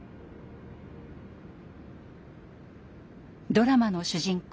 ドラマの主人公